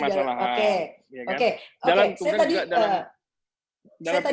angka kompleksnya permasalahan